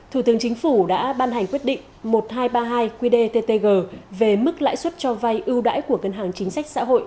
thủ tướng chính phủ đã ban hành quyết định một nghìn hai trăm ba mươi hai qdttg về mức lãi suất cho vay ưu đãi của ngân hàng chính sách xã hội